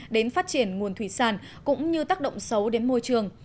đến phát triển nguồn thủy sản cũng như tác động xấu đến môi trường